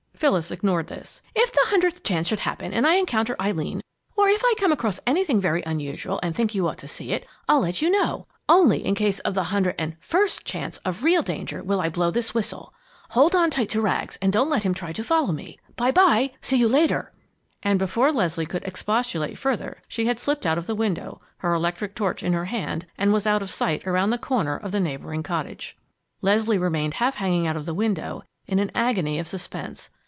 Phyllis ignored this. "If the hundredth chance should happen and I encounter Eileen, or if I come across anything very unusual and think you ought to see it, I'll let you know. Only in case of the hundred and first chance of real danger will I blow this whistle. Hold on tight to Rags and don't let him try to follow me. By by! See you later!" And before Leslie could expostulate further, she had slipped out of the window, her electric torch in her hand, and was out of sight around the corner of the neighboring cottage. Leslie remained half hanging out of the window, in an agony of suspense.